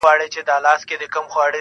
• څنگه دي هېره كړمه.